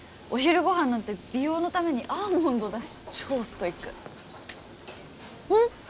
お昼ご飯なんて美容のためにアーモンドだし超ストイックんっ！